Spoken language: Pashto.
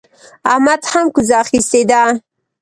احمد هم کوزه اخيستې ده.